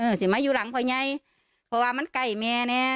เออสิไม่อยู่หลังพอไงเพราะว่ามันใกล้แม่เนี่ย